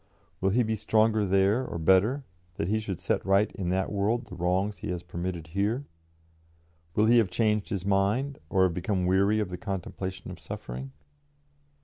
Will He be stronger there or better, that He should set right in that world the wrongs He has permitted here? Will He have changed His mind, or have become weary of the contemplation of suffering?